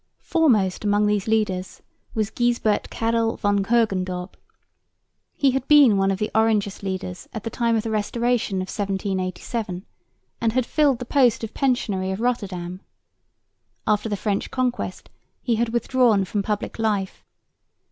Foremost among these leaders was Gijsbert Karel van Hogendorp. He had been one of the Orangist leaders at the time of the restoration of 1787 and had filled the post of pensionary of Rotterdam. After the French conquest he had withdrawn from public life.